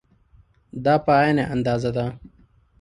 دا په عین اندازه ده.